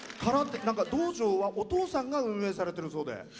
道場は、お父さんが運営されてるそうで。